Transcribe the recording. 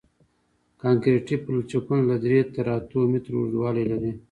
کانکریټي پلچکونه له درې تر اتو مترو اوږدوالی لري